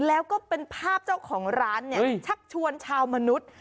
แล้วก็เป็นภาพเจ้าของร้านเนี่ยชักชวนชาวมนุษย์